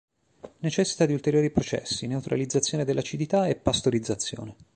Necessita di ulteriori processi, neutralizzazione dell'acidità e pastorizzazione.